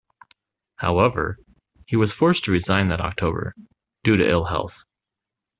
However, he was forced to resign that October, due to ill health.